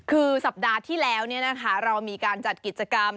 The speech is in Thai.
คือสัปดาห์ที่แล้วเรามีการจัดกิจกรรม